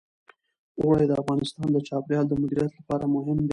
اوړي د افغانستان د چاپیریال د مدیریت لپاره مهم دي.